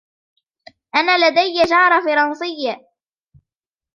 أنا لدي جارة فرنسية.